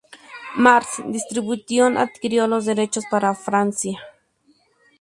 Mars Distribution adquirió los derechos para Francia.